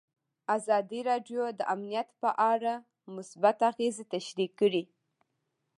ازادي راډیو د امنیت په اړه مثبت اغېزې تشریح کړي.